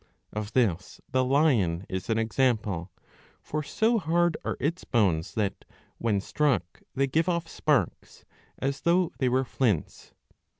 Of this the Lion is an example ; for so hard are its bones, that, when struck, they give off sparks, as though they were flints.